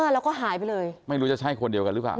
แล้วก็หายไปเลยไม่รู้จะใช่คนเดียวกันหรือเปล่า